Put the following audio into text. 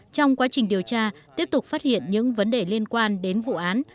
trong quá trình điều tra tiếp tục phát hiện những vấn đề liên quan đến vụ án